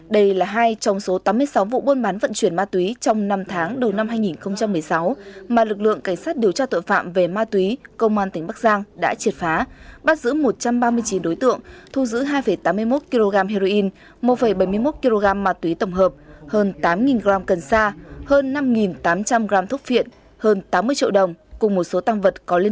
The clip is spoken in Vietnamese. đây là hai trong số tám mươi sáu vụ buôn bán vận chuyển ma túy trong năm tháng đầu năm hai nghìn một mươi sáu mà lực lượng cảnh sát điều tra tội phạm về ma túy công an tỉnh bắc giang đã triệt phá bắt giữ một trăm ba mươi chín đối tượng thu giữ hai tám mươi một kg heroin một bảy mươi một kg ma túy tổng hợp hơn tám gram cây